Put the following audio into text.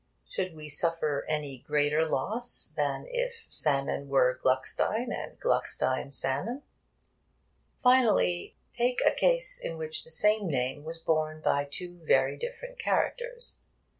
Should we suffer any greater loss than if Salmon were Gluckstein, and Gluckstein Salmon? Finally, take a case in which the same name was borne by two very different characters.